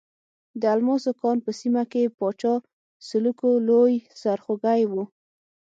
د الماسو کان په سیمه کې پاچا سلوکو لوی سرخوږی وو.